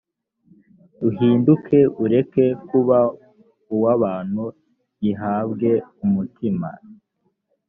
uhinduke ureke kuba uw abantu gihabwe umutima